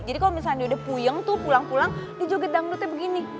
kalau misalnya dia udah puyeng tuh pulang pulang dia joget dangdutnya begini